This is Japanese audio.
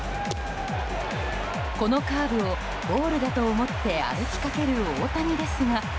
このカーブをボールだと思って歩きかける大谷ですが。